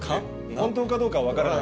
本当かどうかは分からない。